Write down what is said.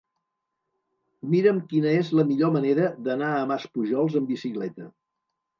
Mira'm quina és la millor manera d'anar a Maspujols amb bicicleta.